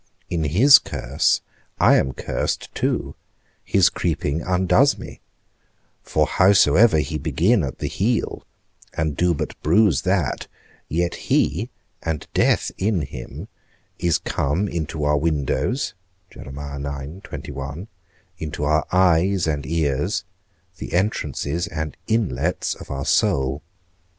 In his curse I am cursed too; his creeping undoes me; for howsoever he begin at the heel, and do but bruise that, yet he, and death in him, is come into our windows; into our eyes and ears, the entrances and inlets of our soul.